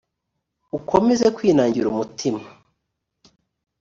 ukomeze kwinangira umutima